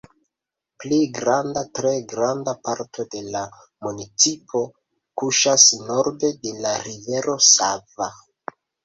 Pli granda, tre granda parto de la municipo kuŝas norde de la Rivero Sava.